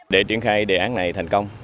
để triển khai đề án này thành công